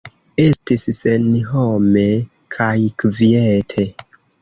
Estis senhome kaj kviete.